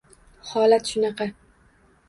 Holat shunaqa.